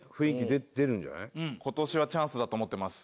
今年はチャンスだと思ってます。